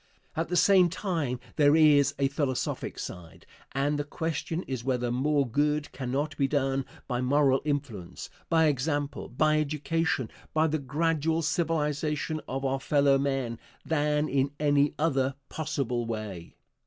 At the same time, there is a philosophic side, and the question is whether more good cannot be done by moral influence, by example, by education, by the gradual civilization of our fellow men, than in any other possible way.